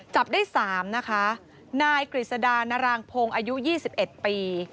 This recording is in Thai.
จับได้๓นะคะนายกฤษดานารางพงศ์อายุ๒๑ปี